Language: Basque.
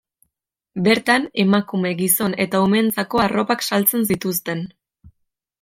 Bertan emakume, gizon eta umeentzako arropak saltzen zituzten.